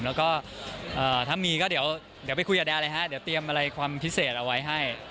แล้วก็ถ้ามีก็เดี๋ยวไปคุยกับแดนเลยฮะเดี๋ยวเตรียมอะไรความพิเศษเอาไว้ให้